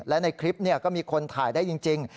และในคลิปก็มีคนถ่ายได้จริง